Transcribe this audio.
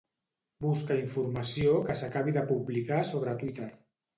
Busca informació que s'acabi de publicar sobre Twitter.